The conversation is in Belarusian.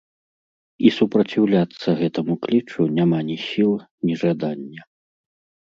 І супраціўляцца гэтаму клічу няма ні сіл, ні жадання.